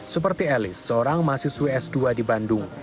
seperti alice seorang mahasiswa s dua di bandung